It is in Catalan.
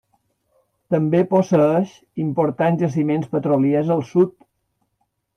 També posseeix importants jaciments petroliers al sud.